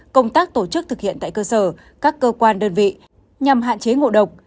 công tác tổ chức thực hiện tại cơ sở các cơ quan đơn vị nhằm hạn chế ngộ độc